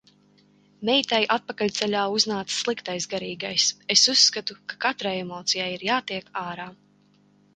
Meitai atpakaļceļā uznāca sliktais garīgais. Es uzskatu, ka katrai emocija ir jātiek ārā.